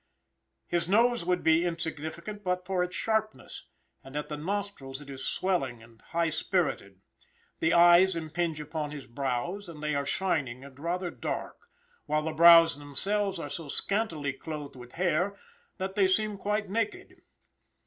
His nose would be insignificant but for its sharpness, and at the nostrils it is swelling and high spirited. His eyes impinge upon his brows, and they are shining and rather dark, while the brows themselves are so scantily clothed with hair that they seem quite naked.